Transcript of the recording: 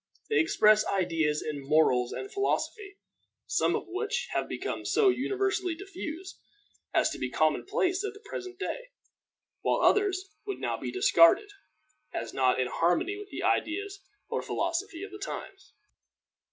They express ideas in morals and philosophy, some of which have become so universally diffused as to be commonplace at the present day, while others would now be discarded, as not in harmony with the ideas or the philosophy of the times.